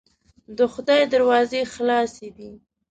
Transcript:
د خدای دروازې خلاصې دي.